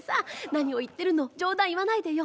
何を言ってるの冗談言わないでよ。